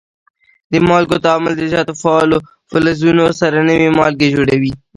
د مالګو تعامل د زیاتو فعالو فلزونو سره نوي مالګې جوړوي.